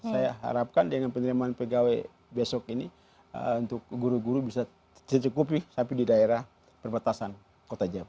saya harapkan dengan penerimaan pegawai besok ini untuk guru guru bisa tercukupi sampai di daerah perbatasan kota jayapura